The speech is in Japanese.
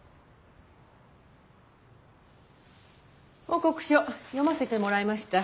報告書読ませてもらいました。